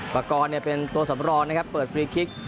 ประกอบเป็นตัวสำรองนะครับเปิดฟรีคลิก